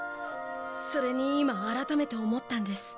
それに今改めて思ったんです。